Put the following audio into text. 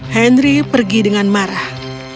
henry pergi dengan marah